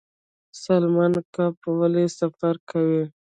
سالمن کب ولې سفر کوي؟